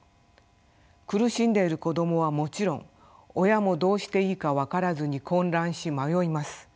苦しんでいる子どもはもちろん親もどうしていいか分からずに混乱し迷います。